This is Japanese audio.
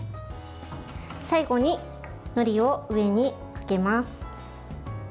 最後に、のりを上にかけます。